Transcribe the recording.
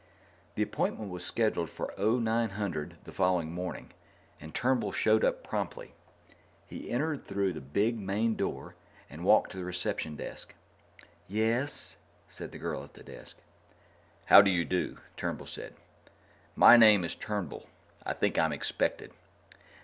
The appointment was scheduled for oh nine hundred the following morning, and Turnbull showed up promptly. He entered through the big main door and walked to the reception desk. "Yes?" said the girl at the desk. "How do you do," Turnbull said. "My name is Turnbull; I think I'm expected."